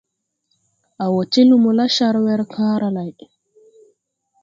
A wɔ ti lumo la, car wer kããra lay.